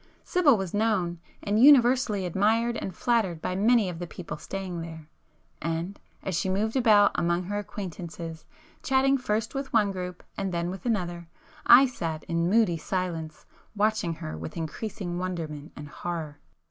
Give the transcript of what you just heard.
Sibyl was known, and universally admired and flattered by many of the people staying there,——and, as she moved about among her acquaintances, chatting first with one group and then with another, I sat in moody silence, watching her with increasing wonderment and horror.